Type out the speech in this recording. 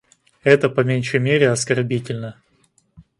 Это, по меньшей мере, оскорбительно.